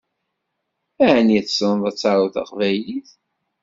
Ɛni tessneḍ ad taruḍ taqbaylit?